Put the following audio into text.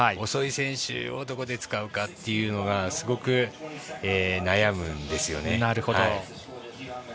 遅い選手をどこで使うかというのがすごく悩むんですよね。